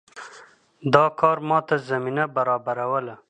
دا کار ماته زمینه برابروله.